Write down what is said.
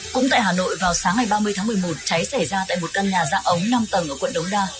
cũng tại hà nội vào sáng ngày ba mươi tháng một mươi một cháy xảy ra tại một căn nhà dạng ống năm tầng ở quận đống đa